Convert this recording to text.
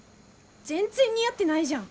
全然似合ってないじゃん！